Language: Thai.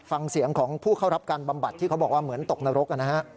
ฟังเสียงของผู้เข้ารับการบำบัดที่เขาบอกว่าเหมือนตกนรกนะฮะ